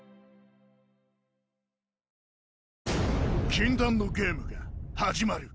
禁断のゲームが始まる